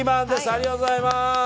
ありがとうございます。